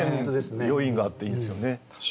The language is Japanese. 余韻があっていいですよね。